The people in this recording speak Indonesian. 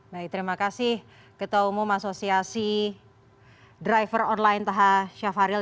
baik terima kasih ketua umum asosiasi driver online taha syafaril